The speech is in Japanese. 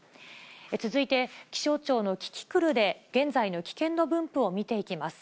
続いて、気象庁のキキクルで、現在の危険度分布を見ていきます。